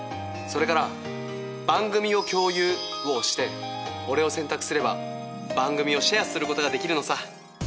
それから「番組を共有」を押して俺を選択すれば番組をシェアすることができるのさ。